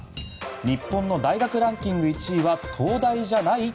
日本の大学ランキング１位は東大じゃない？